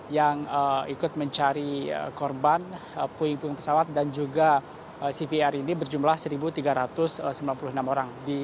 yang ikut mencari korban puing puing pesawat dan juga cvr ini berjumlah satu tiga ratus sembilan puluh enam orang